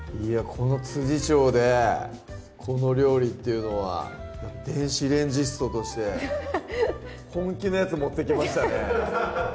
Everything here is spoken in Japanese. この調でこの料理っていうのは電子レンジストとして本気のやつ持ってきましたね